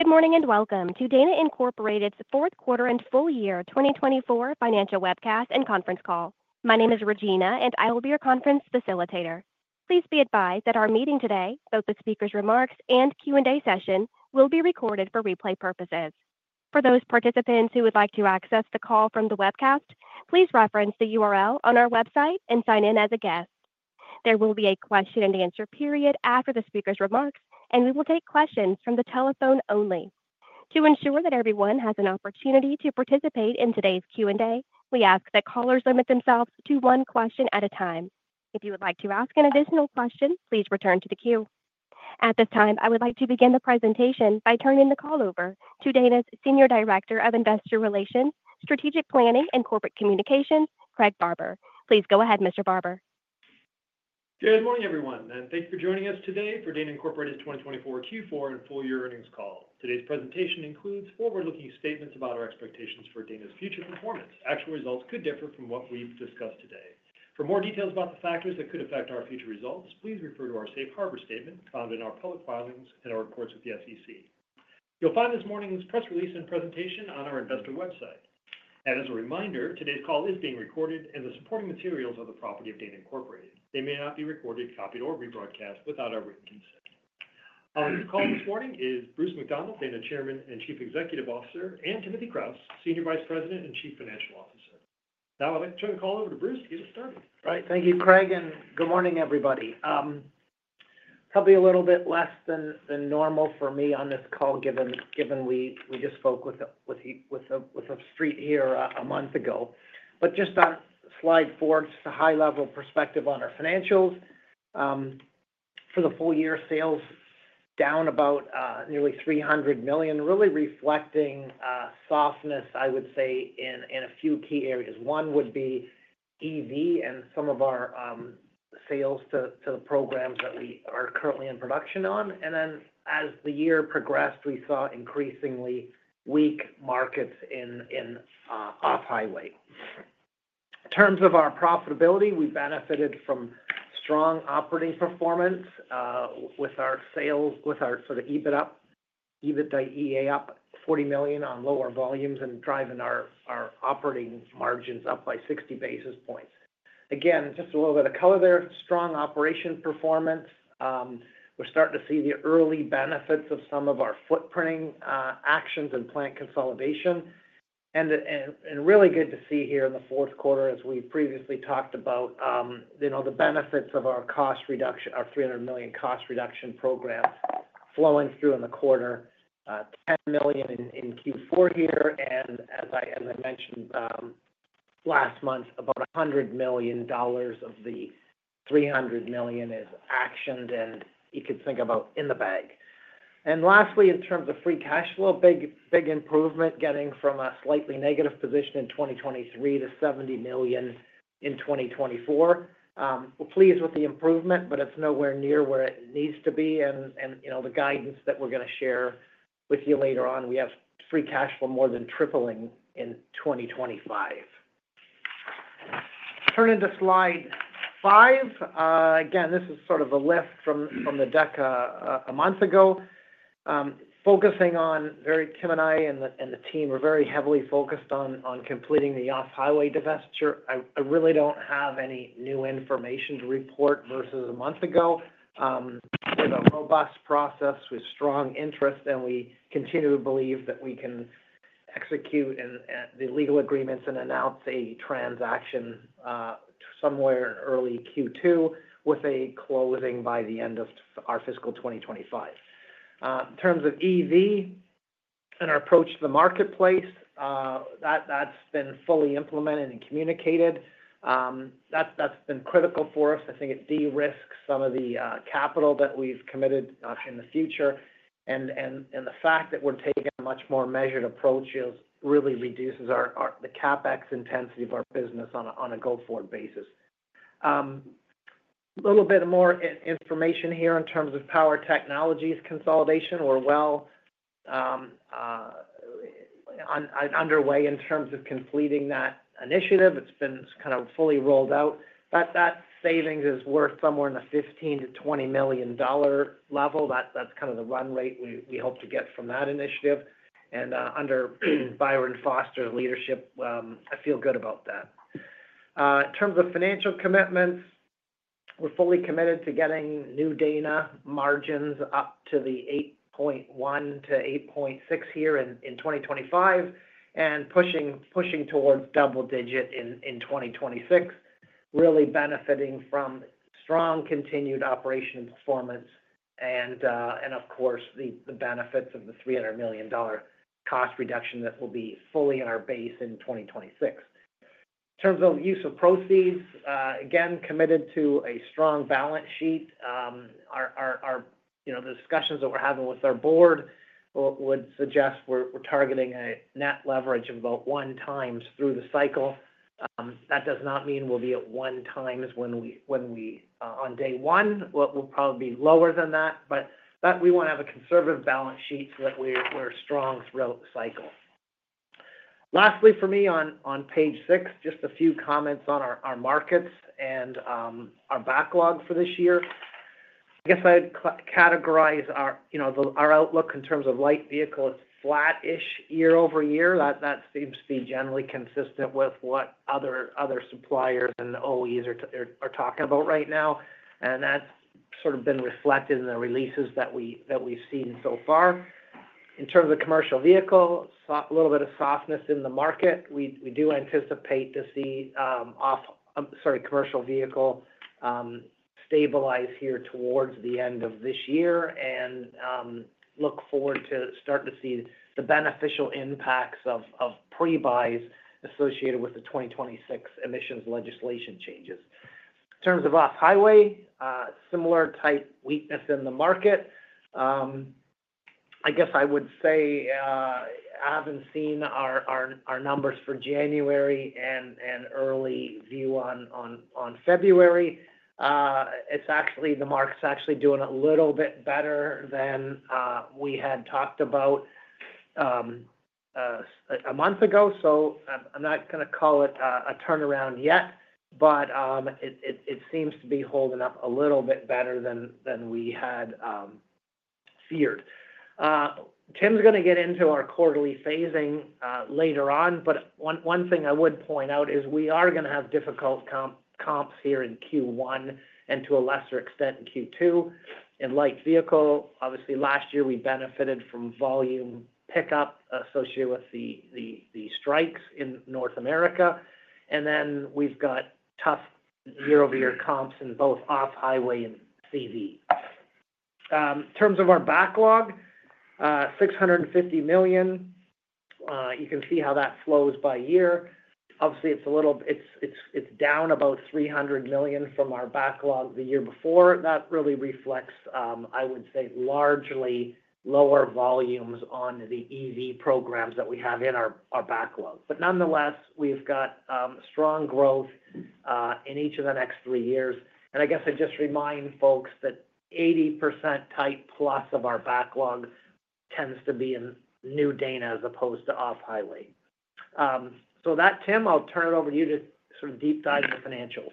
Good morning and Welcome to Dana Incorporated's fourth quarter and full-year 2024 financial webcast and conference call. My name is Regina, and I will be your conference facilitator. Please be advised that our meeting today, both the speaker's remarks and Q&A session, will be recorded for replay purposes. For those participants who would like to access the call from the webcast, please reference the URL on our website and sign in as a guest. There will be a question-and-answer period after the speaker's remarks, and we will take questions from the telephone only. To ensure that everyone has an opportunity to participate in today's Q&A, we ask that callers limit themselves to one question at a time. If you would like to ask an additional question, please return to the queue. At this time, I would like to begin the presentation by turning the call over to Dana's Senior Director of Investor Relations, Strategic Planning, and Corporate Communications, Craig Barber. Please go ahead, Mr. Barber. Good morning, everyone, and thank you for joining us today for Dana Incorporated's 2024 Q4 and full-year earnings call. Today's presentation includes forward-looking statements about our expectations for Dana's future performance. Actual results could differ from what we've discussed today. For more details about the factors that could affect our future results, please refer to our Safe Harbor statement found in our public filings and our reports with the SEC. You'll find this morning's press release and presentation on our investor website. And as a reminder, today's call is being recorded, and the supporting materials are the property of Dana Incorporated. They may not be recorded, copied, or rebroadcast without our written consent. Our leaders of the call this morning are Bruce McDonald, Dana Chairman and Chief Executive Officer, and Timothy Kraus, Senior Vice President and Chief Financial Officer. Now I'd like to turn the call over to Bruce to get us started. All right. Thank you, Craig, and good morning, everybody. Probably a little bit less than normal for me on this call, given we just spoke with the Street here a month ago. But just on slide four, just a high-level perspective on our financials. For the full-year, sales down about nearly $300 million, really reflecting softness, I would say, in a few key areas. One would be EV and some of our sales to the programs that we are currently in production on. And then as the year progressed, we saw increasingly weak markets in Off-Highway. In terms of our profitability, we benefited from strong operating performance with our sales, with our Adjusted EBITDA up $40 million on lower volumes and driving our operating margins up by 60 basis points. Again, just a little bit of color there. Strong operational performance. We're starting to see the early benefits of some of our footprinting actions and plant consolidation, and really good to see here in the fourth quarter, as we previously talked about, the benefits of our cost reduction, our $300 million cost reduction program flowing through in the quarter, $10 million in Q4 here. And as I mentioned last month, about $100 million of the $300 million is actioned, and you could think about in the bag. And lastly, in terms of free cash flow, big improvement getting from a slightly negative position in 2023 to $70 million in 2024. We're pleased with the improvement, but it's nowhere near where it needs to be, and the guidance that we're going to share with you later on, we have free cash flow more than tripling in 2025. Turning to slide five. Again, this is sort of a lift from the deck a month ago. Focusing on, Tim and I and the team are very heavily focused on completing the Off-Highway divestiture. I really don't have any new information to report versus a month ago. We have a robust process with strong interest, and we continue to believe that we can execute the legal agreements and announce a transaction somewhere in early Q2 with a closing by the end of our fiscal 2025. In terms of EV and our approach to the marketplace, that's been fully implemented and communicated. That's been critical for us. I think it de-risks some of the capital that we've committed in the future. And the fact that we're taking a much more measured approach really reduces the CapEx intensity of our business on a go-forward basis. A little bit more information here in terms of Power Technologies consolidation. We're well underway in terms of completing that initiative. It's been kind of fully rolled out. That savings is worth somewhere in the $15 million-$20 million level. That's kind of the run rate we hope to get from that initiative, and under Byron Foster's leadership, I feel good about that. In terms of financial commitments, we're fully committed to getting New Dana margins up to the 8.1%-8.6% here in 2025 and pushing towards double digit in 2026, really benefiting from strong continued operation performance and, of course, the benefits of the $300 million cost reduction that will be fully in our base in 2026. In terms of use of proceeds, again, committed to a strong balance sheet. The discussions that we're having with our Board would suggest we're targeting a net leverage of about one times through the cycle. That does not mean we'll be at one times when we, on day one, we'll probably be lower than that, but we want to have a conservative balance sheet so that we're strong throughout the cycle. Lastly, for me on page six, just a few comments on our markets and our backlog for this year. I guess I'd categorize our outlook in terms of Light Vehicles flat-ish year-over-year. That seems to be generally consistent with what other suppliers and OEs are talking about right now, and that's sort of been reflected in the releases that we've seen so far. In terms of commercial vehicles, a little bit of softness in the market. We do anticipate to see commercial vehicle stabilize here towards the end of this year and look forward to starting to see the beneficial impacts of pre-buys associated with the 2026 emissions legislation changes. In terms of Off-Highway, similar type weakness in the market. I guess I would say I haven't seen our numbers for January and early view on February, the market's actually doing a little bit better than we had talked about a month ago, so I'm not going to call it a turnaround yet, but it seems to be holding up a little bit better than we had feared. Tim's going to get into our quarterly phasing later on, but one thing I would point out is we are going to have difficult comps here in Q1 and to a lesser extent in Q2. In Light Vehicle, obviously, last year we benefited from volume pickup associated with the strikes in North America. And then we've got tough year-over-year comps in both Off-Highway and CV. In terms of our backlog, $650 million. You can see how that flows by year. Obviously, it's down about $300 million from our backlog the year before. That really reflects, I would say, largely lower volumes on the EV programs that we have in our backlog. But nonetheless, we've got strong growth in each of the next three years. And I guess I just remind folks that 80% type plus of our backlog tends to be in New Dana as opposed to Off-Highway. So that, Tim, I'll turn it over to you to sort of deep dive into financials.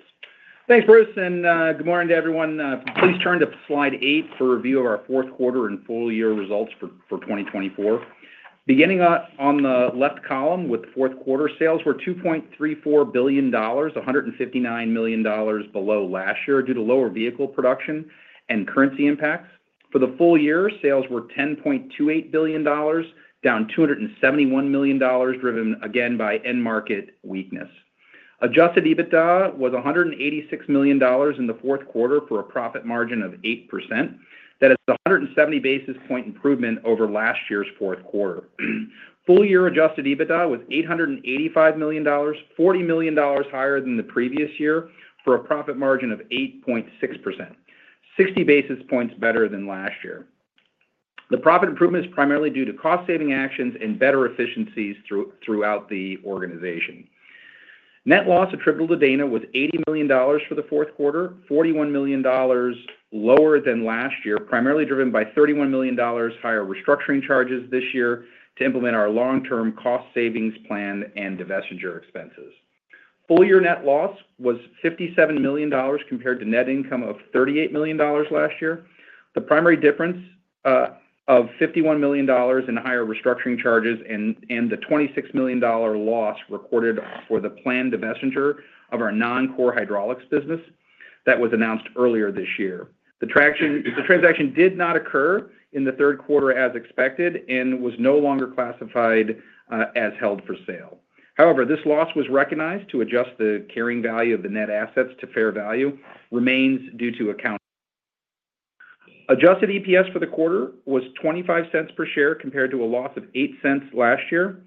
Thanks, Bruce, and good morning to everyone. Please turn to slide eight for review of our fourth quarter and full- year results for 2024. Beginning on the left column with the fourth quarter sales, we're $2.34 billion, $159 million below last year due to lower vehicle production and currency impacts. For the full-year, sales were $10.28 billion, down $271 million, driven again by end-market weakness. Adjusted EBITDA was $186 million in the fourth quarter for a profit margin of 8%. That is a 170 basis point improvement over last year's fourth quarter. Full-year Adjusted EBITDA was $885 million, $40 million higher than the previous year for a profit margin of 8.6%, 60 basis points better than last year. The profit improvement is primarily due to cost-saving actions and better efficiencies throughout the organization. Net loss attributable to Dana was $80 million for the fourth quarter, $41 million lower than last year, primarily driven by $31 million higher restructuring charges this year to implement our long-term cost savings plan and divestiture expenses. Full-year net loss was $57 million compared to net income of $38 million last year. The primary difference of $51 million in higher restructuring charges and the $26 million loss recorded for the planned divestiture of our non-core hydraulics business that was announced earlier this year. The transaction did not occur in the third quarter as expected and was no longer classified as held for sale. However, this loss was recognized to adjust the carrying value of the net assets to fair value remains due to accounting. Adjusted EPS for the quarter was $0.25 per share compared to a loss of $0.08 last year.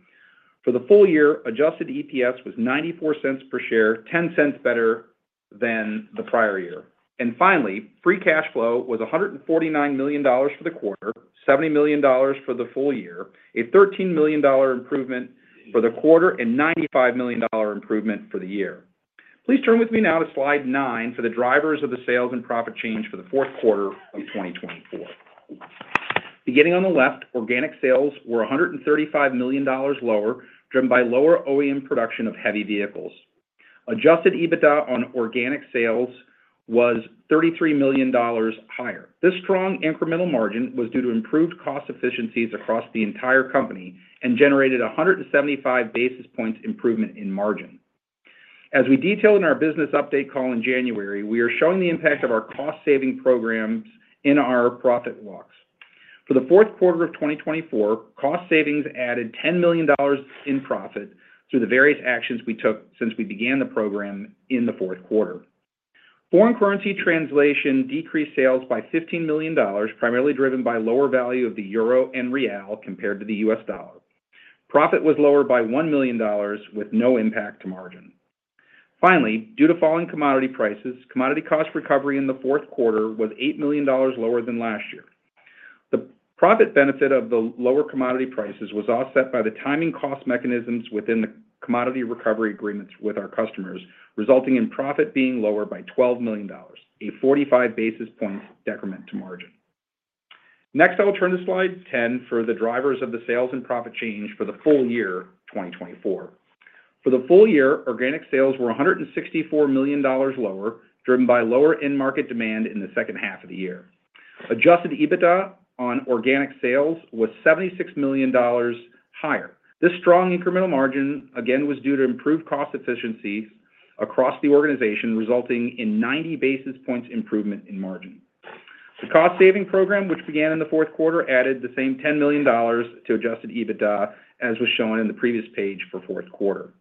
For the full-year, Adjusted EPS was $0.94 per share, $0.10 better than the prior year, and finally, free cash flow was $149 million for the quarter, $70 million for the full-year, a $13 million improvement for the quarter, and $95 million improvement for the year. Please turn with me now to slide nine for the drivers of the sales and profit change for the fourth quarter of 2024. Beginning on the left, organic sales were $135 million lower, driven by lower OEM production of heavy vehicles. Adjusted EBITDA on organic sales was $33 million higher. This strong incremental margin was due to improved cost efficiencies across the entire company and generated a 175 basis points improvement in margin. As we detailed in our business update call in January, we are showing the impact of our cost-saving programs in our profit logs. For the fourth quarter of 2024, cost savings added $10 million in profit through the various actions we took since we began the program in the fourth quarter. Foreign currency translation decreased sales by $15 million, primarily driven by lower value of the Euro and Real compared to the U.S. dollar. Profit was lower by $1 million with no impact to margin. Finally, due to falling commodity prices, commodity cost recovery in the fourth quarter was $8 million lower than last year. The profit benefit of the lower commodity prices was offset by the timing cost mechanisms within the commodity recovery agreements with our customers, resulting in profit being lower by $12 million, a 45 basis point decrement to margin. Next, I'll turn to slide 10 for the drivers of the sales and profit change for the full-year 2024. For the full-year, organic sales were $164 million lower, driven by lower end-market demand in the second half of the year. Adjusted EBITDA on organic sales was $76 million higher. This strong incremental margin, again, was due to improved cost efficiencies across the organization, resulting in 90 basis points improvement in margin. The cost-saving program, which began in the fourth quarter, added the same $10 million to Adjusted EBITDA, as was shown in the previous page for fourth quarter.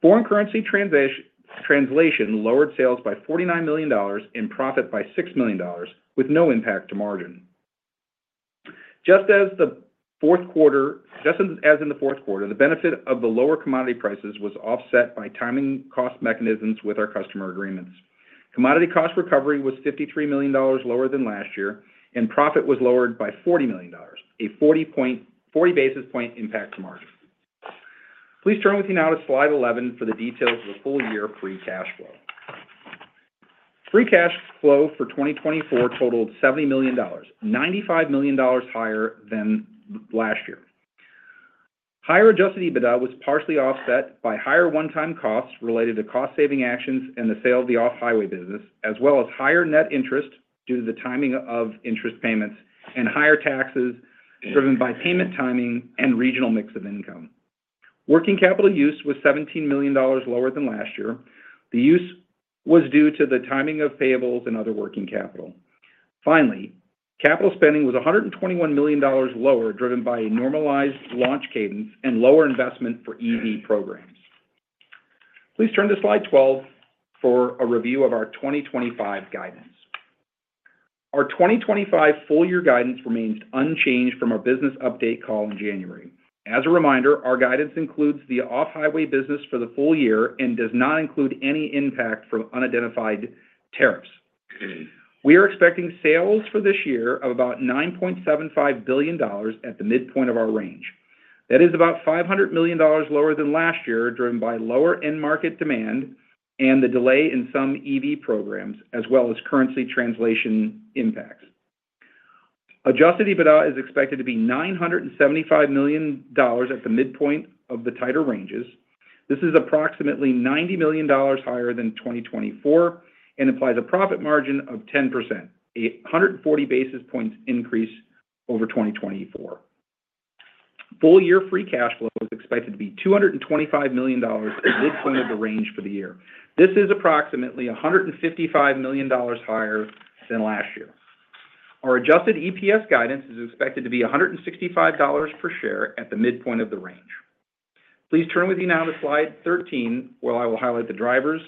Foreign currency translation lowered sales by $49 million and profit by $6 million, with no impact to margin. Just as in the fourth quarter, the benefit of the lower commodity prices was offset by timing cost mechanisms with our customer agreements. Commodity cost recovery was $53 million lower than last year, and profit was lowered by $40 million, a 40 basis point impact to margin. Please turn with me now to slide 11 for the details of the full-year free cash flow. Free cash flow for 2024 totaled $70 million, $95 million higher than last year. Higher Adjusted EBITDA was partially offset by higher one-time costs related to cost-saving actions and the sale of the Off-Highway business, as well as higher net interest due to the timing of interest payments and higher taxes driven by payment timing and regional mix of income. Working capital use was $17 million lower than last year. The use was due to the timing of payables and other working capital. Finally, capital spending was $121 million lower, driven by a normalized launch cadence and lower investment for EV programs. Please turn to slide 12 for a review of our 2025 guidance. Our 2025 full-year guidance remains unchanged from our business update call in January. As a reminder, our guidance includes the Off-Highway business for the full-year and does not include any impact from unidentified tariffs. We are expecting sales for this year of about $9.75 billion at the midpoint of our range. That is about $500 million lower than last year, driven by lower end-market demand and the delay in some EV programs, as well as currency translation impacts. Adjusted EBITDA is expected to be $975 million at the midpoint of the tighter ranges. This is approximately $90 million higher than 2024 and implies a profit margin of 10%, a 140 basis points increase over 2024. Full-year free cash flow is expected to be $225 million at the midpoint of the range for the year. This is approximately $155 million higher than last year. Our Adjusted EPS guidance is expected to be $1.65 per share at the midpoint of the range. Please turn with me now to slide 13, where I will highlight the drivers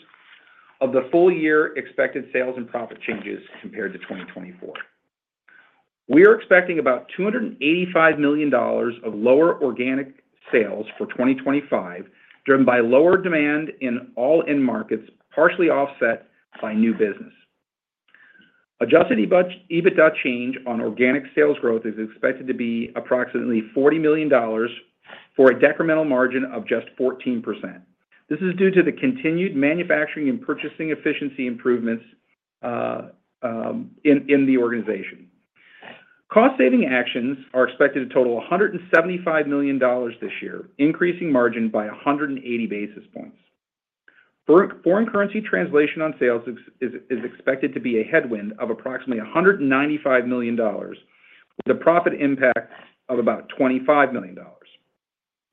of the full-year expected sales and profit changes compared to 2024. We are expecting about $285 million of lower organic sales for 2025, driven by lower demand in all end markets, partially offset by new business. Adjusted EBITDA change on organic sales growth is expected to be approximately $40 million for a decremental margin of just 14%. This is due to the continued manufacturing and purchasing efficiency improvements in the organization. Cost-saving actions are expected to total $175 million this year, in-reasing margin by 180 basis points. Foreign currency translation on sales is expected to be a headwind of approximately $195 million, with a profit impact of about $25 million.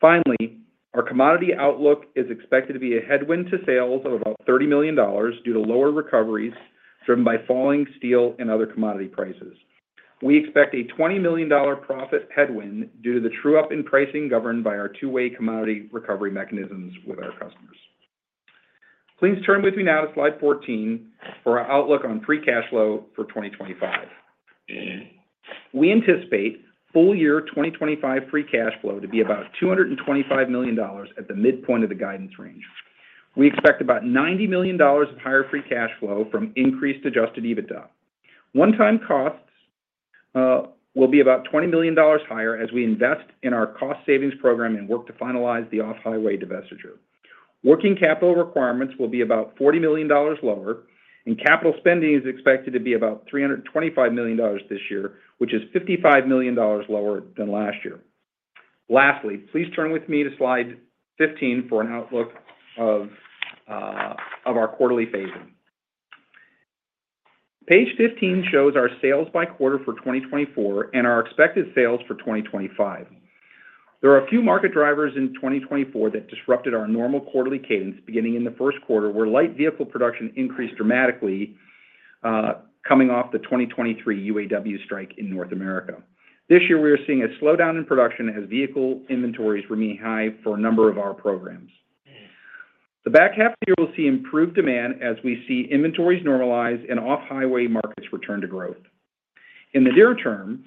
Finally, our commodity outlook is expected to be a headwind to sales of about $30 million due to lower recoveries driven by falling steel and other commodity prices. We expect a $20 million profit headwind due to the true-up and pricing governed by our two-way commodity recovery mechanisms with our customers. Please turn with me now to slide 14 for our outlook on free cash flow for 2025. We anticipate full-year 2025 free cash flow to be about $225 million at the midpoint of the guidance range. We expect about $90 million of higher free cash flow from increased Adjusted EBITDA. One-time costs will be about $20 million higher as we invest in our cost-savings program and work to finalize the Off-Highway divestiture. Working capital requirements will be about $40 million lower, and capital spending is expected to be about $325 million this year, which is $55 million lower than last year. Lastly, please turn with me to slide 15 for an outlook of our quarterly phasing. Page 15 shows our sales by quarter for 2024 and our expected sales for 2025. There are a few market drivers in 2024 that disrupted our normal quarterly cadence beginning in the first quarter, where Light Vehicle production increased dramatically coming off the 2023 UAW strike in North America. This year, we are seeing a slowdown in production as vehicle inventories remain high for a number of our programs. The back half of the year will see improved demand as we see inventories normalize and Off-Highway markets return to growth. In the near term,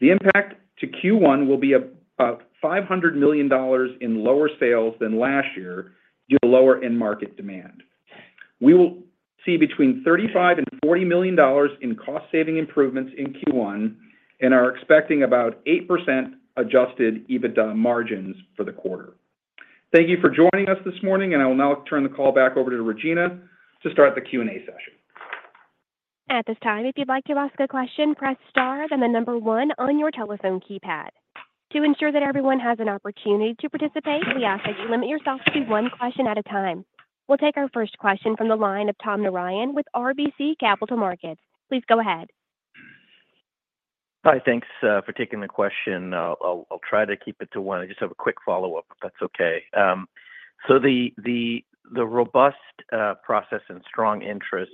the impact to Q1 will be about $500 million in lower sales than last year due to lower end-market demand. We will see between $35 and $40 million in cost-saving improvements in Q1 and are expecting about 8% Adjusted EBITDA margins for the quarter. Thank you for joining us this morning, and I will now turn the call back over to Regina to start the Q&A session. At this time, if you'd like to ask a question, press star then the number one on your telephone keypad. To ensure that everyone has an opportunity to participate, we ask that you limit yourself to one question at a time. We'll take our first question from the line of Tom Narayan with RBC Capital Markets. Please go ahead. Hi, thanks for taking the question. I'll try to keep it to one. I just have a quick follow-up, if that's okay, so the robust process and strong interest,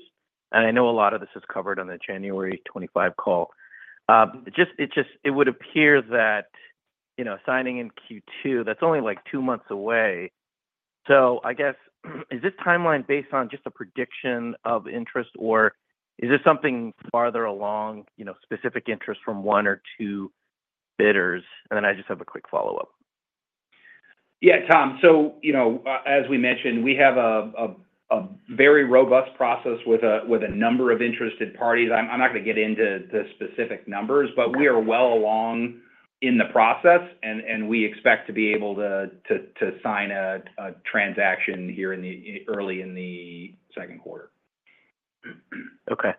and I know a lot of this is covered on the January 25 call, it would appear that signing in Q2, that's only like two months away. So I guess, is this timeline based on just a prediction of interest, or is this something farther along, specific interest from one or two bidders, and then I just have a quick follow-up? Yeah, Tom. So as we mentioned, we have a very robust process with a number of interested parties. I'm not going to get into the specific numbers, but we are well along in the process, and we expect to be able to sign a transaction here early in the second quarter. Okay.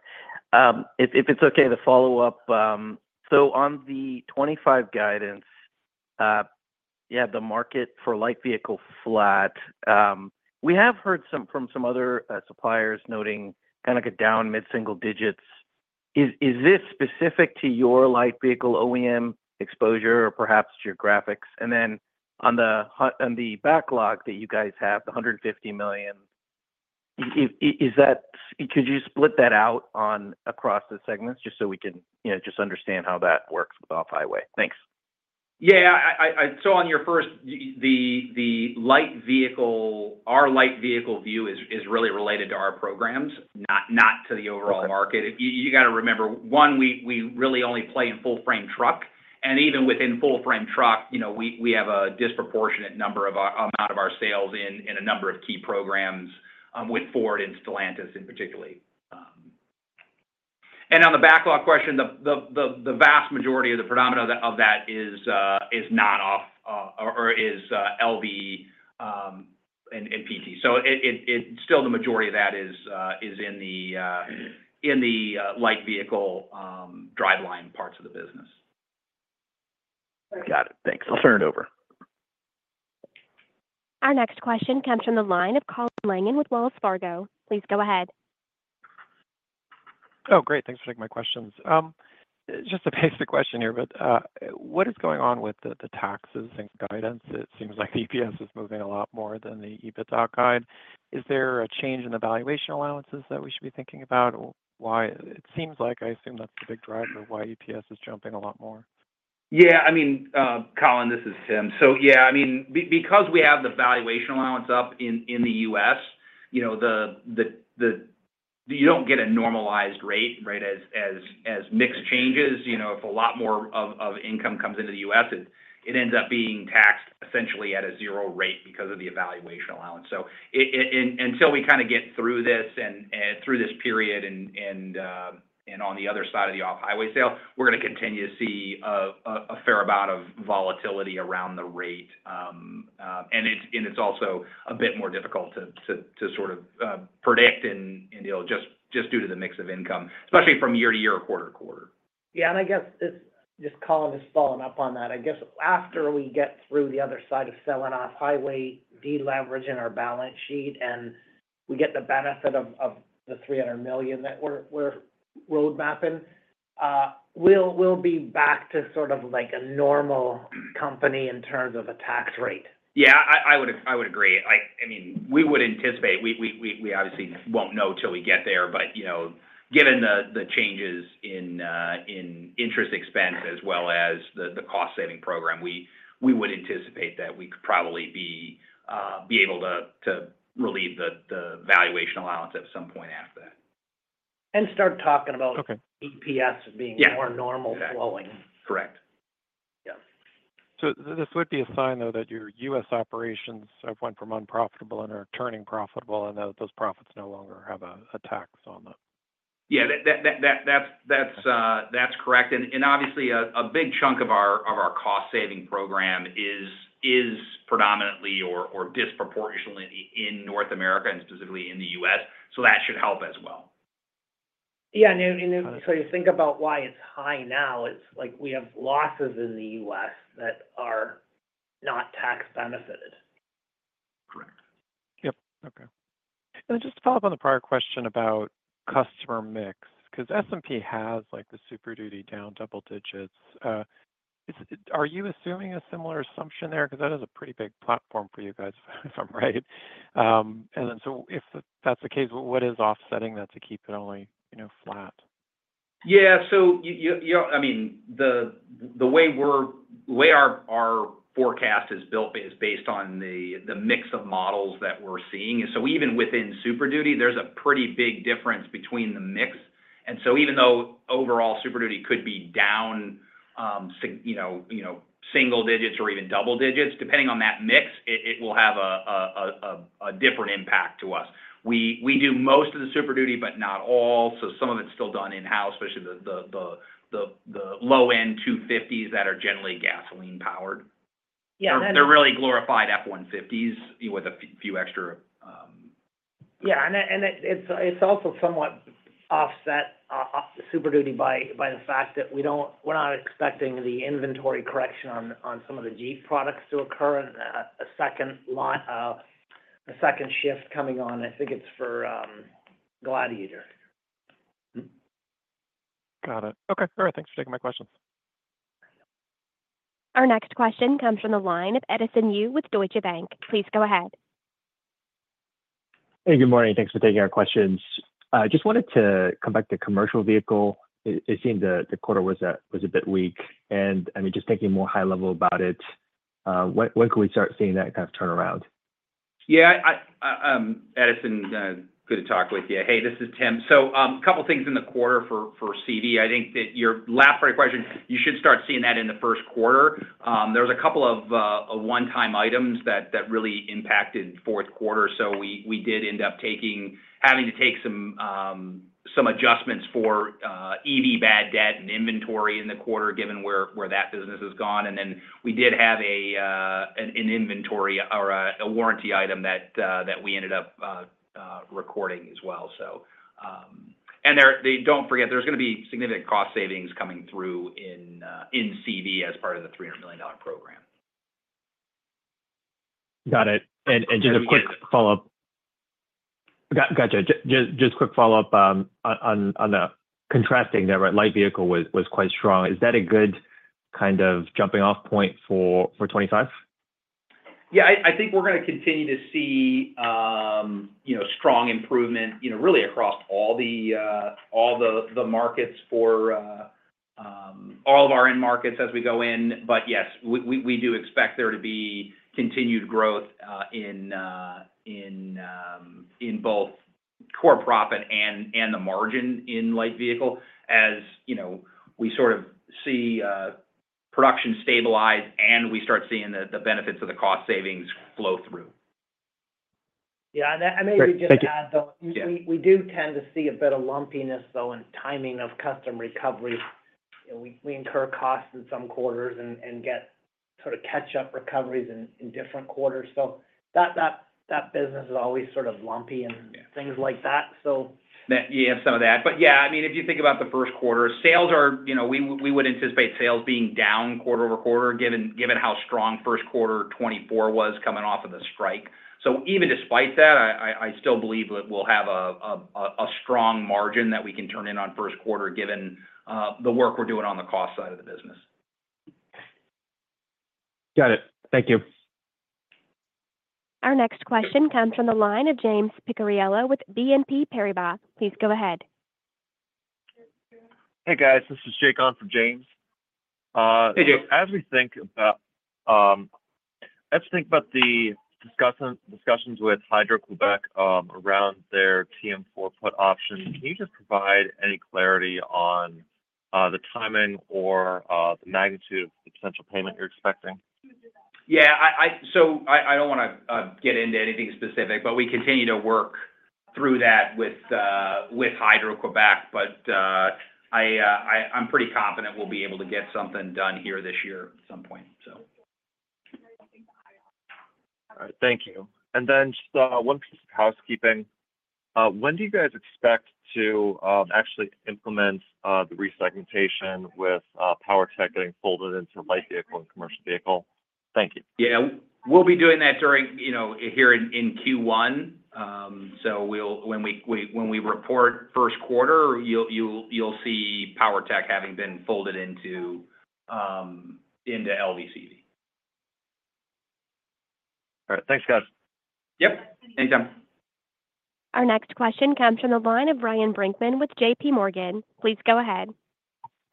If it's okay, the follow-up. So on the 25 guidance, yeah, the market for Light Vehicle flat, we have heard from some other suppliers noting kind of a down mid-single digits. Is this specific to your Light Vehicle OEM exposure or perhaps geographics? And then on the backlog that you guys have, the $150 million, could you split that out across the segments just so we can just understand how that works with Off-Highway? Thanks. Yeah. So on your first, our Light Vehicle view is really related to our programs, not to the overall market. You got to remember, one, we really only play in full-frame truck. And even within full-frame truck, we have a disproportionate amount of our sales in a number of key programs with Ford and Stellantis in particular. And on the backlog question, the vast majority of the predominant of that is not Off-Highway or is LV and PT. So still, the majority of that is in the Light Vehicle driveline parts of the business. Got it. Thanks. I'll turn it over. Our next question comes from the line of Colin Langan with Wells Fargo. Please go ahead. Oh, great. Thanks for taking my questions. Just a basic question here, but what is going on with the taxes and guidance? It seems like the EPS is moving a lot more than the EBITDA guide. Is there a change in the valuation allowances that we should be thinking about? It seems like I assume that's the big driver of why EPS is jumping a lot more. Yeah. I mean, Colin, this is Tim. So yeah, I mean, because we have the valuation allowance up in the U.S., you don't get a normalized rate, right, as mix changes. If a lot more of income comes into the U.S., it ends up being taxed essentially at a zero rate because of the valuation allowance. So until we kind of get through this and through this period and on the other side of the Off-Highway sale, we're going to continue to see a fair amount of volatility around the rate. It's also a bit more difficult to sort of predict and deal with just due to the mix of income, especially from year-over-year or quarter-over-quarter. Yeah. And I guess just Colin has followed up on that. I guess after we get through the other side of selling Off-Highway, deleveraging our balance sheet, and we get the benefit of the $300 million that we're roadmapping, we'll be back to sort of like a normal company in terms of a tax rate. Yeah, I would agree. I mean, we would anticipate we obviously won't know until we get there, but given the changes in interest expense as well as the cost-saving program, we would anticipate that we could probably be able to relieve the valuation allowance at some point after that. Start talking about EPS being more normal flowing. Correct. Yeah. So this would be a sign, though, that your U.S. operations have went from unprofitable and are turning profitable, and those profits no longer have a tax on them. Yeah, that's correct. And obviously, a big chunk of our cost-saving program is predominantly or disproportionately in North America and specifically in the U.S. So that should help as well. Yeah. And so you think about why it's high now. It's like we have losses in the U.S. that are not tax benefited. Correct. Yep. Okay, and just to follow up on the prior question about customer mix, because S&P has the Super Duty down double digits. Are you assuming a similar assumption there? Because that is a pretty big platform for you guys, if I'm right. And then, so if that's the case, what is offsetting that to keep it only flat? Yeah. So I mean, the way our forecast is built is based on the mix of models that we're seeing. And so even within Super Duty, there's a pretty big difference between the mix. And so even though overall Super Duty could be down single digits or even double digits, depending on that mix, it will have a different impact to us. We do most of the Super Duty, but not all. So some of it's still done in-house, especially the low-end 250s that are generally gasoline-powered. Yeah. They're really glorified F-150s with a few extra. Yeah, and it's also somewhat offset Super Duty by the fact that we're not expecting the inventory correction on some of the Jeep products to occur in a second shift coming on. I think it's for Gladiator. Got it. Okay. All right. Thanks for taking my questions. Our next question comes from the line of Edison Yu with Deutsche Bank. Please go ahead. Hey, good morning. Thanks for taking our questions. Just wanted to come back to commercial vehicle. It seemed the quarter was a bit weak. And I mean, just thinking more high-level about it, when can we start seeing that kind of turnaround? Yeah. Edison, good to talk with you. Hey, this is Tim. So a couple of things in the quarter for CV. I think that your last part of your question, you should start seeing that in the first quarter. There was a couple of one-time items that really impacted fourth quarter. So we did end up having to take some adjustments for EV bad debt and inventory in the quarter, given where that business has gone. And then we did have an inventory or a warranty item that we ended up recording as well. And don't forget, there's going to be significant cost savings coming through in CV as part of the $300 million program. Got it, and just a quick follow-up. Go ahead. Gotcha. Just a quick follow-up on the contrasting there, right? Light Vehicle was quite strong. Is that a good kind of jumping-off point for 2025? Yeah. I think we're going to continue to see strong improvement really across all the markets for all of our end markets as we go in, but yes, we do expect there to be continued growth in both core profit and the margin in Light Vehicle as we sort of see production stabilize and we start seeing the benefits of the cost savings flow through. Yeah, and I maybe just add though, we do tend to see a bit of lumpiness though in timing of customer recovery. We incur costs in some quarters and get sort of catch-up recoveries in different quarters. So that business is always sort of lumpy and things like that. So. You have some of that. But yeah, I mean, if you think about the first quarter, sales, we would anticipate sales being down quarter-over-quarter given how strong first quarter 2024 was coming off of the strike. So even despite that, I still believe that we'll have a strong margin that we can turn in on first quarter given the work we're doing on the cost side of the business. Got it. Thank you. Our next question comes from the line of James Picariello with BNP Paribas. Please go ahead. Hey, guys. This is Jake on for James. Hey, Jake. As we think about the discussions with Hydro-Québec around their TM4 put option, can you just provide any clarity on the timing or the magnitude of the potential payment you're expecting? Yeah. So I don't want to get into anything specific, but we continue to work through that with Hydro-Québec, but I'm pretty confident we'll be able to get something done here this year at some point, so. All right. Thank you. And then just one piece of housekeeping. When do you guys expect to actually implement the resegmentation with Power Technologies getting folded into Light Vehicle and Commercial Vehicle? Thank you. Yeah. We'll be doing that here in Q1, so when we report first quarter, you'll see PowerTech having been folded into LVCV. All right. Thanks, guys. Yep. Anytime. Our next question comes from the line of Ryan Brinkman with JP Morgan. Please go ahead.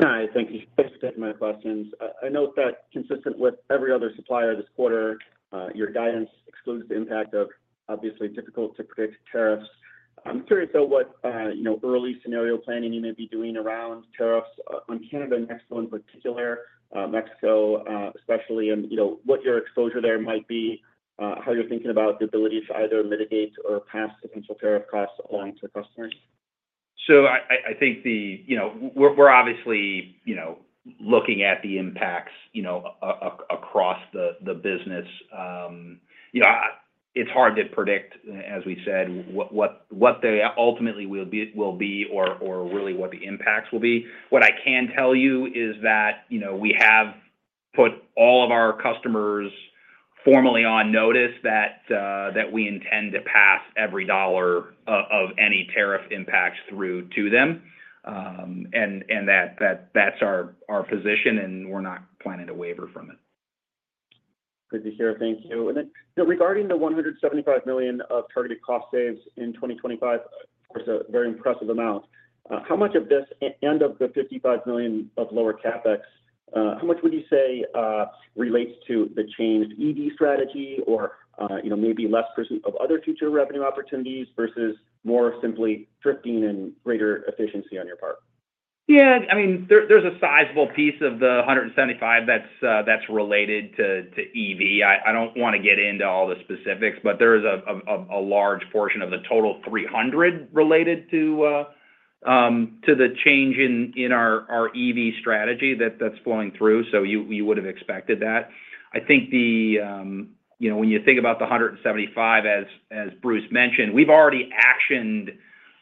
Hi. Thank you. Just a quick statement of questions. I know it's consistent with every other supplier this quarter. Your guidance excludes the impact of obviously difficult-to-predict tariffs. I'm curious though what early scenario planning you may be doing around tariffs on Canada next month in particular, Mexico especially, and what your exposure there might be, how you're thinking about the ability to either mitigate or pass potential tariff costs along to customers? So I think we're obviously looking at the impacts across the business. It's hard to predict, as we said, what they ultimately will be or really what the impacts will be. What I can tell you is that we have put all of our customers formally on notice that we intend to pass every dollar of any tariff impacts through to them. And that's our position, and we're not planning to waver from it. Good to hear. Thank you. And then regarding the $175 million of targeted cost saves in 2025, of course, a very impressive amount. How much of this and of the $55 million of lower CapEx, how much would you say relates to the changed EV strategy or maybe less of other future revenue opportunities versus more simply drifting and greater efficiency on your part? Yeah. I mean, there's a sizable piece of the $175 that's related to EV. I don't want to get into all the specifics, but there is a large portion of the total $300 related to the change in our EV strategy that's flowing through. So you would have expected that. I think when you think about the $175, as Bruce mentioned, we've already actioned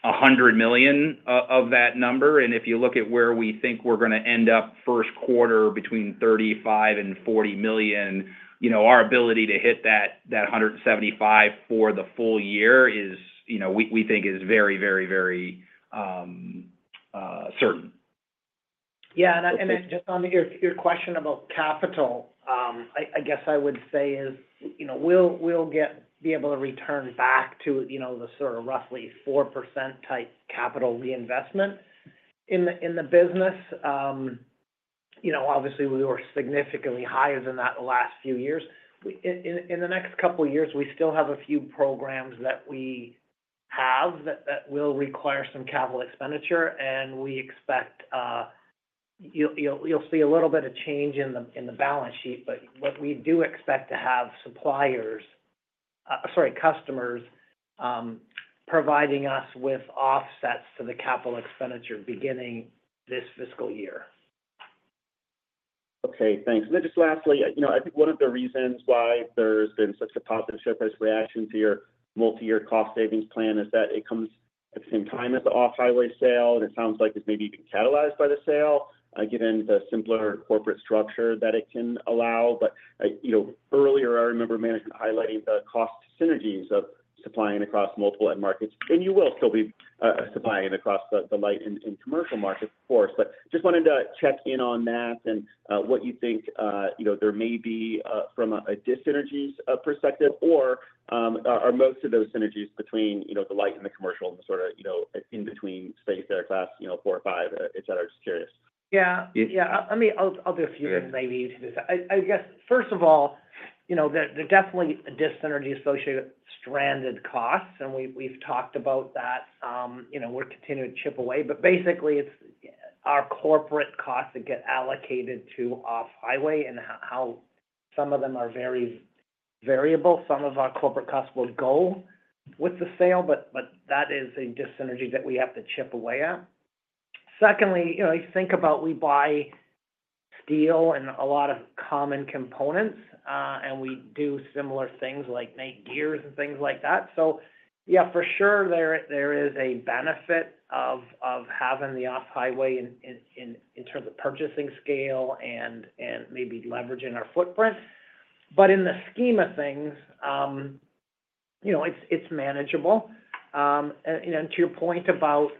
$100 million of that number. And if you look at where we think we're going to end up first quarter between $35 and $40 million, our ability to hit that $175 for the full-year we think is very, very, very certain. Yeah. And then just on your question about capital, I guess I would say is we'll be able to return back to the sort of roughly 4% type capital reinvestment in the business. Obviously, we were significantly higher than that the last few years. In the next couple of years, we still have a few programs that we have that will require some capital expenditure. And we expect you'll see a little bit of change in the balance sheet, but we do expect to have suppliers, sorry, customers, providing us with offsets to the capital expenditure beginning this fiscal year. Okay. Thanks. And then just lastly, I think one of the reasons why there's been such a positive surprise reaction to your multi-year cost savings plan is that it comes at the same time as the Off-Highway sale. And it sounds like it's maybe even catalyzed by the sale, given the simpler corporate structure that it can allow. But earlier, I remember management highlighting the cost synergies of supplying across multiple end markets. And you will still be supplying across the light and commercial markets, of course. But just wanted to check in on that and what you think there may be from a dissynergies perspective, or are most of those synergies between the light and the commercial and the sort of in-between space there, Class 4 or 5, etc.? Just curious. Yeah. Yeah. I mean, I'll do a few things maybe to this. I guess, first of all, there's definitely a dissynergy associated with stranded costs. And we've talked about that. We're continuing to chip away. But basically, it's our corporate costs that get allocated to Off-Highway, and some of them are very variable. Some of our corporate costs will go with the sale, but that is a dyssynergy that we have to chip away at. Secondly, you think about we buy steel and a lot of common components, and we do similar things like make gears and things like that. So yeah, for sure, there is a benefit of having the Off-Highway in terms of purchasing scale and maybe leveraging our footprint. But in the scheme of things, it's manageable. And to your point about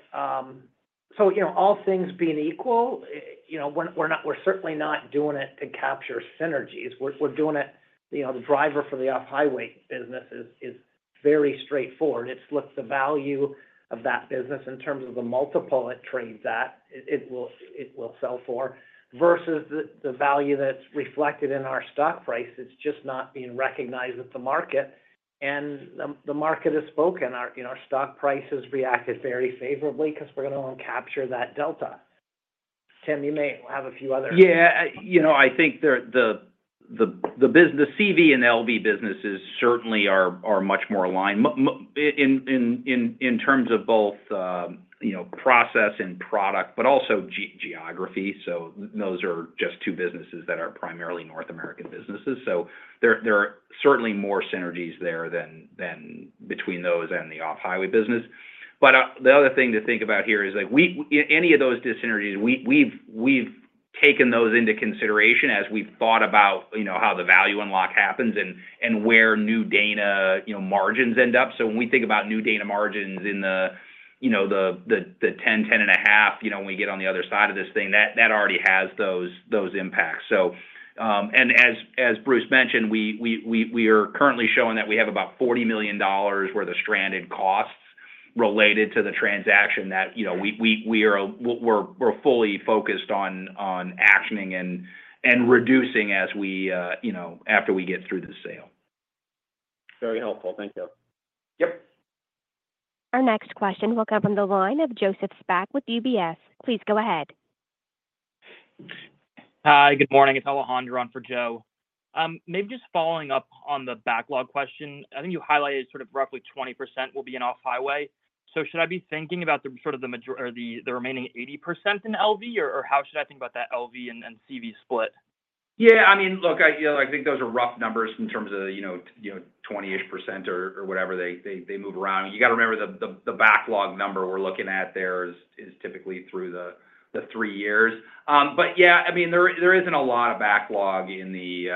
so all things being equal, we're certainly not doing it to capture synergies. We're doing it. The driver for the Off-Highway business is very straightforward. It's the value of that business in terms of the multiple it trades at, it will sell for, versus the value that's reflected in our stock price. It's just not being recognized at the market. And the market has spoken. Our stock price has reacted very favorably because we're going to want to capture that delta. Tim, you may have a few other. Yeah. I think the CV and LV businesses certainly are much more aligned in terms of both process and product, but also geography. So those are just two businesses that are primarily North American businesses. So there are certainly more synergies there than between those and the Off-Highway business. But the other thing to think about here is any of those dissynergies. We've taken those into consideration as we've thought about how the value unlock happens and where New Dana margins end up. So when we think about New Dana margins in the 10-10.5, when we get on the other side of this thing, that already has those impacts. And as Bruce mentioned, we are currently showing that we have about $40 million worth of stranded costs related to the transaction that we are fully focused on actioning and reducing after we get through the sale. Very helpful. Thank you. Yep. Our next question will come from the line of Joseph Spak with UBS. Please go ahead. Hi. Good morning. It's Alejandro on for Joe. Maybe just following up on the backlog question, I think you highlighted sort of roughly 20% will be in Off-Highway. So should I be thinking about sort of the remaining 80% in LV, or how should I think about that LV and CV split? Yeah. I mean, look, I think those are rough numbers in terms of 20-ish% or whatever they move around. You got to remember the backlog number we're looking at there is typically through the three years. But yeah, I mean, there isn't a lot of backlog in the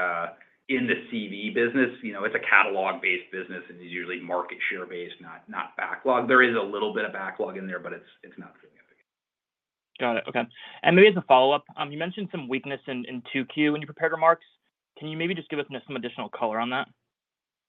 CV business. It's a catalog-based business, and it's usually market share-based, not backlog. There is a little bit of backlog in there, but it's not significant. Got it. Okay. And maybe as a follow-up, you mentioned some weakness in 2Q when you prepared remarks. Can you maybe just give us some additional color on that?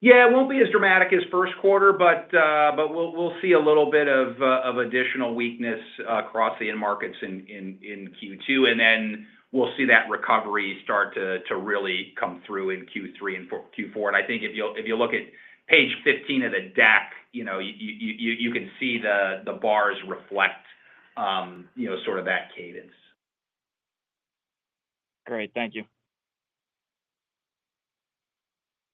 Yeah. It won't be as dramatic as first quarter, but we'll see a little bit of additional weakness across the end markets in Q2. And then we'll see that recovery start to really come through in Q3 and Q4. And I think if you look at page 15 of the deck, you can see the bars reflect sort of that cadence. Great. Thank you.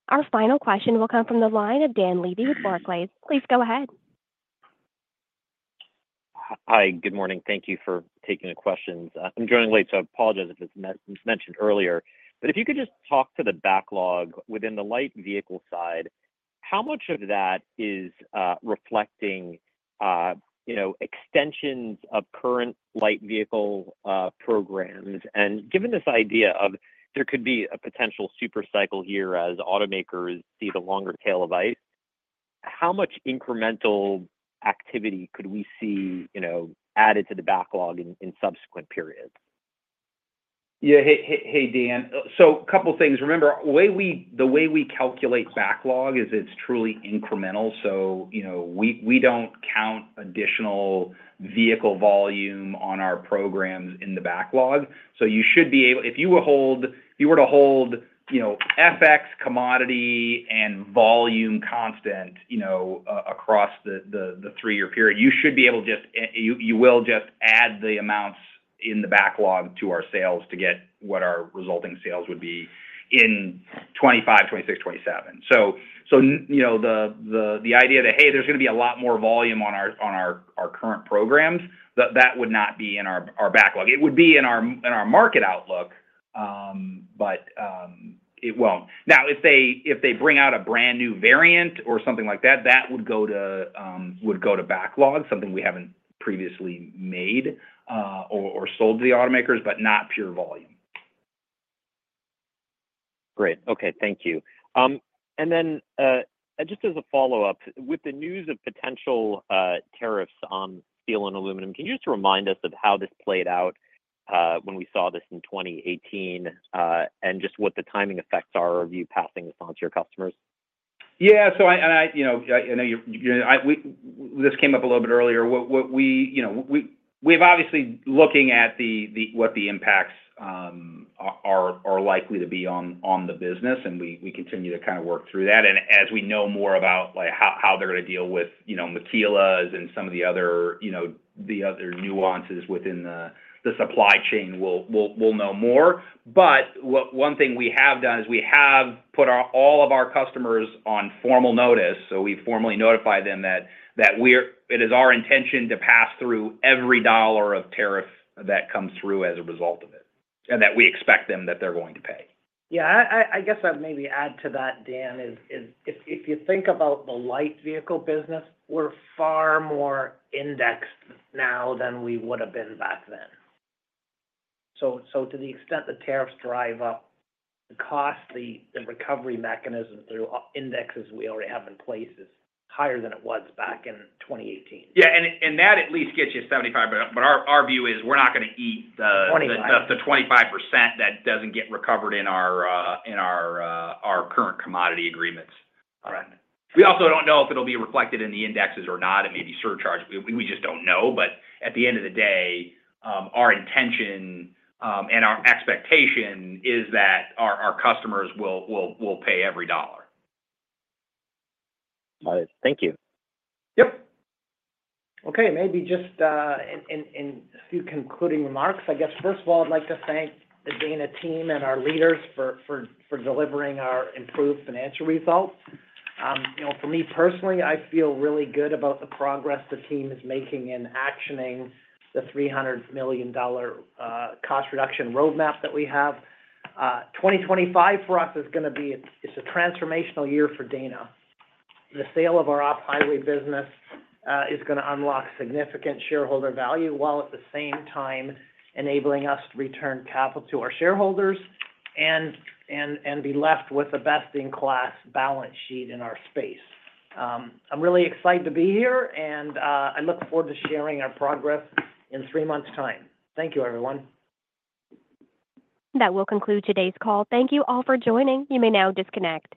Our final question will come from the line of Dan Levy with Barclays. Please go ahead. Hi. Good morning. Thank you for taking the questions. I'm joining late, so I apologize if it's mentioned earlier. But if you could just talk to the backlog within the Light Vehicle side, how much of that is reflecting extensions of current Light Vehicle programs? And given this idea of there could be a potential supercycle here as automakers see the longer tail of ICE, how much incremental activity could we see added to the backlog in subsequent periods? Yeah. Hey, Dan. So a couple of things. Remember, the way we calculate backlog is it's truly incremental. So we don't count additional vehicle volume on our programs in the backlog. So you should be able, if you were to hold FX commodity and volume constant across the three-year period, to just add the amounts in the backlog to our sales to get what our resulting sales would be in 2025, 2026, 2027. So the idea that, hey, there's going to be a lot more volume on our current programs, that would not be in our backlog. It would be in our market outlook, but it won't. Now, if they bring out a brand new variant or something like that, that would go to backlog, something we haven't previously made or sold to the automakers, but not pure volume. Great. Okay. Thank you. And then just as a follow-up, with the news of potential tariffs on steel and aluminum, can you just remind us of how this played out when we saw this in 2018 and just what the timing effects are of you passing this on to your customers? Yeah. So I know this came up a little bit earlier. We've obviously been looking at what the impacts are likely to be on the business, and we continue to kind of work through that. And as we know more about how they're going to deal with maquiladoras and some of the other nuances within the supply chain, we'll know more. But one thing we have done is we have put all of our customers on formal notice. So we've formally notified them that it is our intention to pass through every dollar of tariff that comes through as a result of it and that we expect them that they're going to pay. Yeah. I guess I'd maybe add to that, Dan, is if you think about the Light Vehicle business, we're far more indexed now than we would have been back then. So to the extent the tariffs drive up, the cost, the recovery mechanism through indexes we already have in place is higher than it was back in 2018. Yeah. And that at least gets you a 75, but our view is we're not going to eat the 25% that doesn't get recovered in our current commodity agreements. We also don't know if it'll be reflected in the indexes or not. It may be surcharged. We just don't know. But at the end of the day, our intention and our expectation is that our customers will pay every dollar. Got it. Thank you. Yep. Okay. Maybe just in a few concluding remarks, I guess, first of all, I'd like to thank the Dana team and our leaders for delivering our improved financial results. For me personally, I feel really good about the progress the team is making in actioning the $300 million cost reduction roadmap that we have. 2025 for us is going to be a transformational year for Dana. The sale of our Off-Highway business is going to unlock significant shareholder value while at the same time enabling us to return capital to our shareholders and be left with a best-in-class balance sheet in our space. I'm really excited to be here, and I look forward to sharing our progress in three months' time. Thank you, everyone. That will conclude today's call. Thank you all for joining. You may now disconnect.